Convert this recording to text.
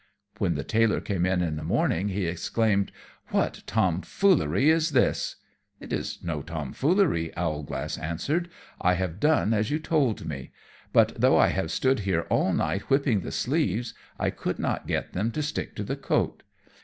When the Tailor came in, in the morning, he exclaimed, "What tomfoolery is this?" "It is no tomfoolery," Owlglass answered, "I have done as you told me; but though I have stood here all night whipping the sleeves, I could not get them to stick to the coat.